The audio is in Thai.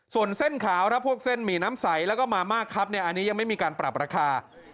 ส่วนเส้นขาวถ้าพวกเส้นหมี่น้ำใสแล้วก็มาม่าครับเนี่ยอันนี้ยังไม่มีการปรับราคา